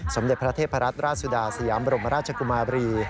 สมเด็จพระเทพรัตนราชสุดาสยามบรมราชกุมาบรี